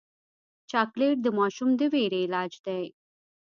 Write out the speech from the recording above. چاکلېټ د ماشوم د ویرې علاج دی.